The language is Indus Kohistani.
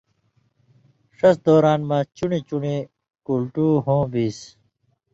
ݜس دوران مہ چُݨیۡ چُݨیۡ کلٹو ہوں بېن٘سیۡ۔